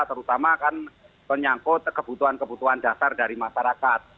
terutama kan penyangkut kebutuhan kebutuhan dasar dari masyarakat